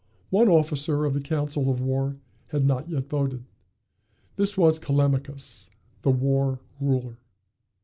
One officer in the council of war had not yet voted. This was Callimachus, the War ruler.